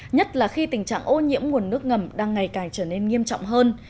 nhất là khi tình trạng ô nhiễm nguồn nước ngầm đang ngày càng trở nên nghiêm trọng hơn